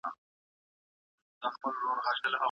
هغه درد چي ژوند یې لري ختمیږي.